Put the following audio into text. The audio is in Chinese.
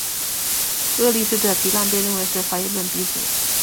厄利斯的皮浪被认为是怀疑论鼻祖。